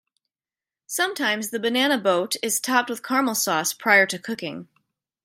Sometimes the banana boat is topped with caramel sauce prior to cooking.